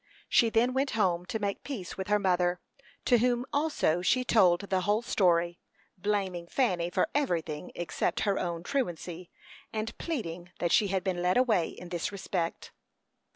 She then went home to make peace with her mother, to whom also she told the whole story, blaming Fanny for everything except her own truancy, and pleading that she had been led away in this respect.